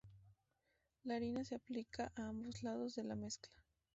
La harina se aplica a ambos lados de la mezcla.